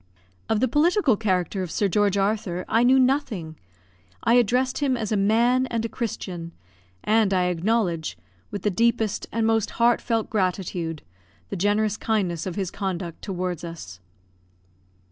Of the political character of Sir George Arthur I knew nothing. I addressed him as a man and a Christian, and I acknowledge, with the deepest and most heartfelt gratitude, the generous kindness of his conduct towards us.